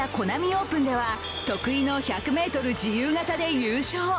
オープンでは得意の１００ｍ自由形で優勝。